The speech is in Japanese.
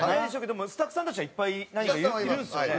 スタッフさんたちはいっぱい何人かいるんですよね。